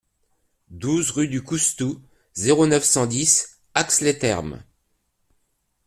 douze rue du Coustou, zéro neuf, cent dix, Ax-les-Thermes